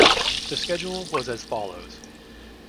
The schedule was as follows.